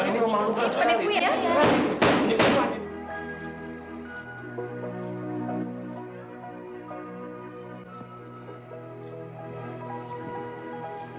ini rumah lulus